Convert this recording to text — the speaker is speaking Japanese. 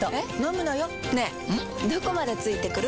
どこまで付いてくる？